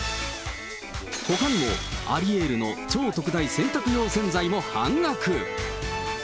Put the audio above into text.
ほかにもアリエールの超特大洗濯用洗剤も半額。